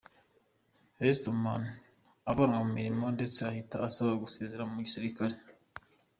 Hesterman, avanwa ku mirimo ye ndetse ahita asaba gusezera mu gisirikare.